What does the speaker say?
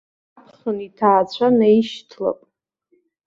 Аԥхын иҭаацәа наишьҭлап.